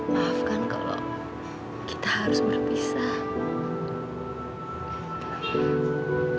maafkan kalau kita harus berpisah